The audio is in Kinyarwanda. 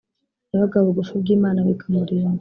yabaga bugufi bw’Imana bikamurinda